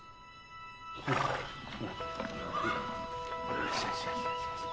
よしよしよしよし。